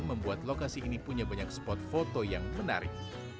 membuat lokasi ini punya banyak spot foto yang menarik